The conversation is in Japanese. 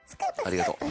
ありがとう。